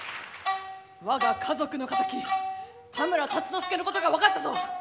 我が家族の敵田村辰之助のことがわかったぞ。